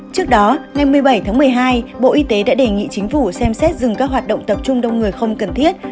trước đó ngày một mươi bảy tháng một mươi hai bộ y tế đã đề nghị chính phủ xem xét dừng các hoạt động tập trung đông người không cần thiết